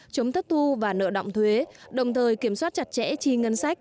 chống thất thu và nợ động thuế đồng thời kiểm soát chặt chẽ chi ngân sách